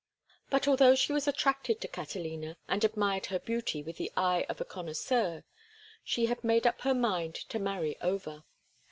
But although she was attracted to Catalina, and admired her beauty with the eye of the connoisseur, she had made up her mind to marry Over.